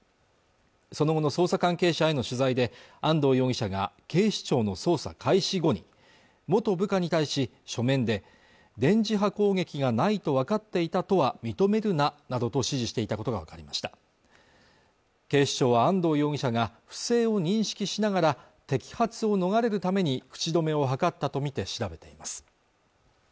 その後の捜査関係者への取材で安藤容疑者が警視庁の捜査開始後に元部下に対し書面で電磁波攻撃がないと分かっていたとは認めるななどと指示していたことが分かりました警視庁は安藤容疑者が不正を認識しながら摘発を逃れるために口止めを図ったとみて調べています